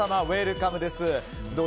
ウェルカムです。